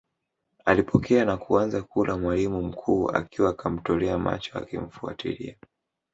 Alipokea na kuanza kula mwalimu mkuu akiwa kamtolea macho akimfuatilia